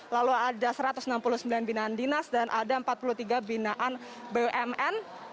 lalu ada satu ratus enam puluh sembilan binaan dinas dan ada empat puluh tiga binaan bumn